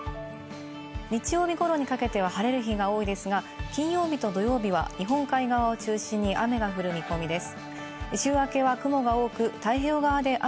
日曜日頃にかけては晴れる日が多いですが、金曜日と土曜日は日本海側を中心に雨が降る見込みです。